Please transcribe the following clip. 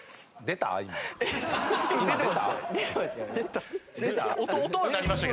出た？